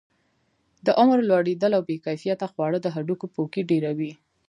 د عمر لوړېدل او بې کیفیته خواړه د هډوکو پوکي ډیروي.